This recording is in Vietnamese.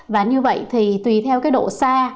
và như vậy thì tùy theo cái độ sa